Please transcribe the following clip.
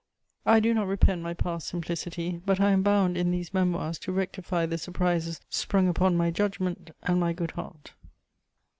I do not repent my past simplicity; but I am bound, in these Memoirs, to rectify the surprises sprung upon my judgment and my good heart.